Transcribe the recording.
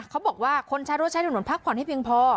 เขาบอกว่าคนใช้รถใช้ถนนพักผ่อนให้เพียงพอ